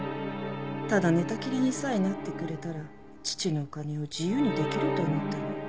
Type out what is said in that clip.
ただ寝たきりにさえなってくれたら父のお金を自由にできると思ったの。